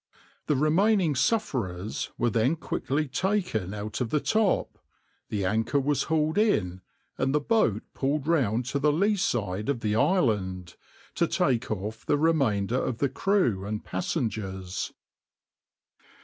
The remaining sufferers were then quickly taken out of the top, the anchor was hauled in, and the boat pulled round to the leeside of the island, to take off the remainder of the crew and passengers.